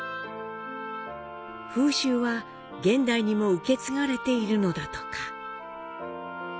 風習は現代にも受け継がれているのだとか。